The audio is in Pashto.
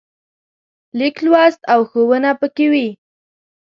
لیک لوست او ښوونه پکې وي.